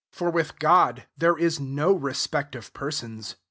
1 1 For with God there is no respect of persons.